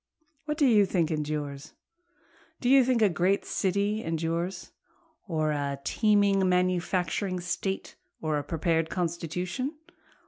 What do you think endures? Do you think a great city endures? Or a teeming manufacturing state? or a prepared constitution?